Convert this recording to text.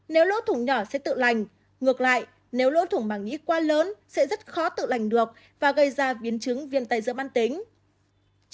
nếu lỗ thủng nhỏ sẽ tự lành ngược lại nếu lỗ thủng mảng nghĩ quá lớn sẽ rất khó tự lành được và gây ra biến chứng viên tay giữa mắt tính